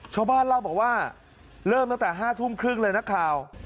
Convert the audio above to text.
ชาวบ้านเล่าบอกว่าเริ่มตั้งแต่๕ทุ่มครึ่งเลยนักข่าว